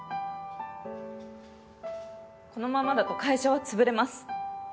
このままだと会社は潰れます。